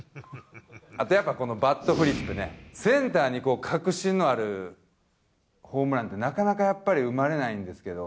あとやっぱ、このバットフリップね、センターに確信のあるホームランってなかなかやっぱり生まれないんですけど。